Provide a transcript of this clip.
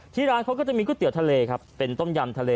ร้านเขาก็จะมีก๋วยเตี๋ยวทะเลครับเป็นต้มยำทะเล